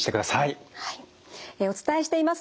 お伝えしています